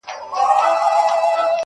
اې ستا قامت دي هچيش داسي د قيامت مخته وي.